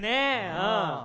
うん。